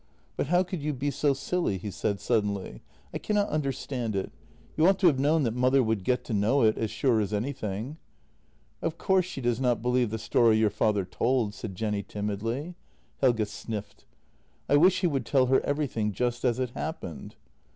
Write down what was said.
" But how could you be so silly? " he said suddenly. " I cannot understand it. You ought to have known that mother would get to know it — as sure as anything." " Of course she does not believe the story your father told," said Jenny timidly. — Helge sniffed. — "I wish he would tell her everything just as it happened."